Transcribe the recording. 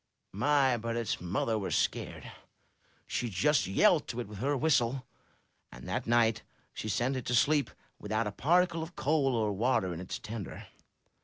My, but its mother was scared! She just yelled to it with her whistle; and that night she sent it to sleep without a particle of coal or water in its tender.